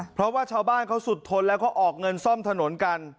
เพราะว่าชาวบ้านเขาสุดทนแล้วก็ออกเงินซ่อมถนนกัน